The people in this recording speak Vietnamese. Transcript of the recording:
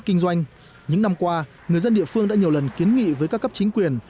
kinh doanh những năm qua người dân địa phương đã nhiều lần kiến nghị với các cấp chính quyền